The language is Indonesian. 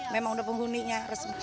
memang sudah penghuninya